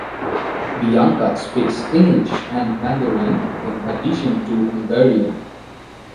Bianka speaks English and Mandarin in addition to Hungarian.